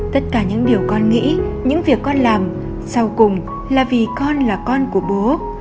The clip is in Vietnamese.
tất cả những điều con nghĩ những việc con làm sau cùng là vì con là con của bố